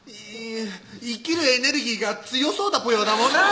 生きるエネルギーが強そうだぽよだもんな